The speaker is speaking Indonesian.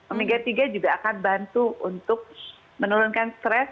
omega tiga juga akan bantu untuk menurunkan stres